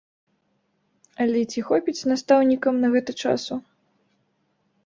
Але ці хопіць настаўнікам на гэта часу?